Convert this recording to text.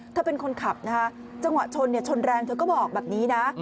เธอเป็นคนขับนะคะจังหวะชนชนแรงเธอก็บอกแบบนี้นะ